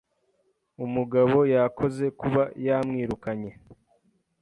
Umugabo yakoze kuba yamwirukanye,